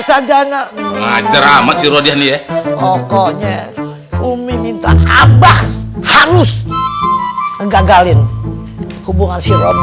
sadar gak ngajar amat si rodiah nih ya pokoknya umi minta abah harus gagalin hubungan si robby